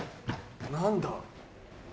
何だ。